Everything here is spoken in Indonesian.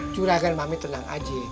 juragan mami tenang aja